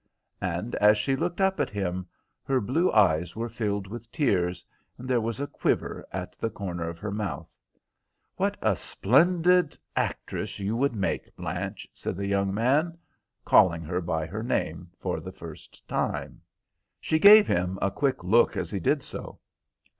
And as she looked up at him her blue eyes were filled with tears, and there was a quiver at the corner of her mouth. "What a splendid actress you would make, Blanche," said the young man, calling her by her name for the first time. She gave him a quick look as he did so.